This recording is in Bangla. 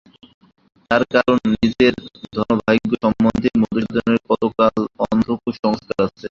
তার কারণ, নিজের ধনভাগ্য সম্বন্ধে মধুসূদনের কতকগুলো অন্ধ সংস্কার আছে।